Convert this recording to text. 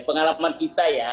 pengalaman kita ya